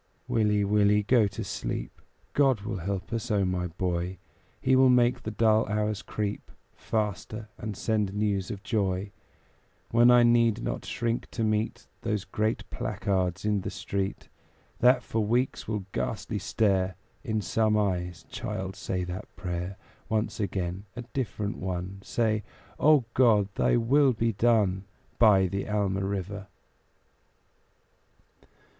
Willie, Willie, go to sleep; God will help us, O my boy! He will make the dull hours creep Faster, and send news of joy; When I need not shrink to meet Those great placards in the street, That for weeks will ghastly stare In some eyes child, say that prayer Once again a different one Say "O God! Thy will be done, By the Alma River."